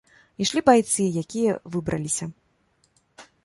Ішлі байцы, якія выбраліся.